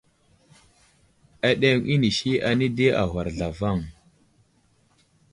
Aɗeŋw inisi anay di agwar zlavaŋ.